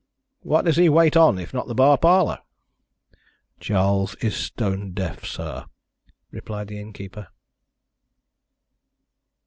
What does he wait on, if not the bar parlour?" "Charles is stone deaf, sir," replied the innkeeper.